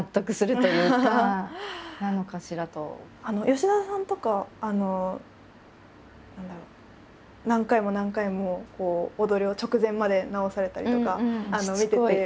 吉田さんとか何だろう何回も何回も踊りを直前まで直されたりとか。